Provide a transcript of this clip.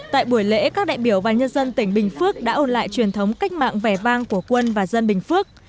tại buổi lễ các đại biểu và nhân dân tỉnh bình phước đã ôn lại truyền thống cách mạng vẻ vang của quân và dân bình phước